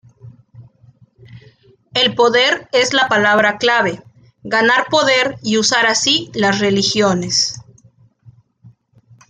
El poder es la palabra clave, ganar poder y usar así las religiones.